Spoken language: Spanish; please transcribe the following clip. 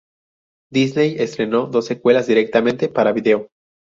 Disney estrenó dos secuelas directamente para vídeo.